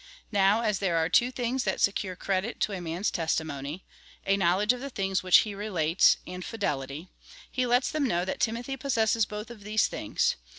Now as there are two things that secure credit to a man's testimony — a knowledge of the things which he relates, and fidelity — he lets them know that Timothy possesses both of these things.